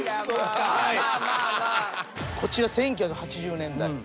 こちら１９８０年代。